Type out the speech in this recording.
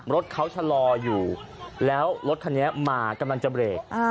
รถเขาชะลออยู่แล้วรถคันนี้มากำลังจะเบรก